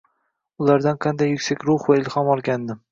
Ulardan qanday yuksak ruh va ilhom olgandim.